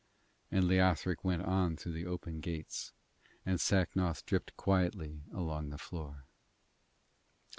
And Leothric went on to the open gates, and Sacnoth dripped quietly along the floor.